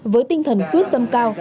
với tinh thần quyết tâm cao